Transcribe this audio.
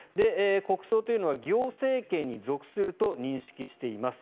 国葬というのは行政権に属すると認識しています